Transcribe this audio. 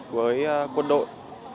với quân đội